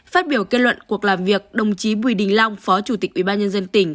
phát biểu kết luận cuộc làm việc đồng chí bùi đình long phó chủ tịch ubnd tỉnh